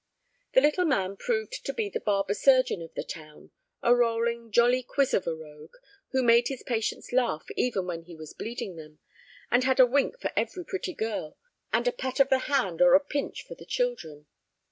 The little man proved to be the barber surgeon of the town, a rolling, jolly quiz of a rogue who made his patients laugh even when he was bleeding them, and had a wink for every pretty girl and a pat of the hand or a pinch for the children.